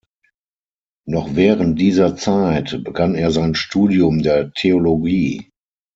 Noch während dieser Zeit begann er ein Studium der Theologie.